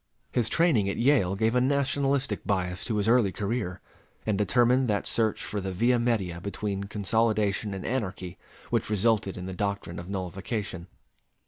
His training at Yale gave a nationalistic bias to his early career, and determined that search for the via media between consolidation and anarchy which resulted in the doctrine of nullification.